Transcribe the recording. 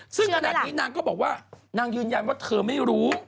ซึ่งขนาดนี้นางก็ยืนยันว่าเธอไม่รู้